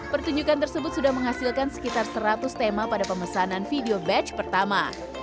pertunjukan tersebut sudah menghasilkan sekitar seratus tema pada pemesanan video batch pertama